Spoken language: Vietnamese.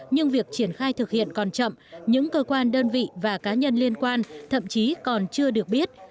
nhưng việc triển khai thực hiện còn chậm những cơ quan đơn vị và cá nhân liên quan thậm chí còn chưa được biết